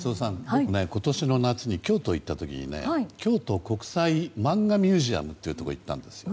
僕、今年の夏に京都に行った時に京都国際漫画ミュージアムってところに行ったんです。